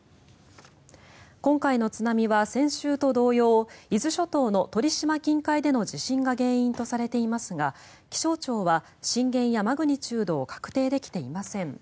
今回の津波は先週と同様伊豆諸島の鳥島近海での地震が原因とされていますが気象庁は震源やマグニチュードを確定できていません。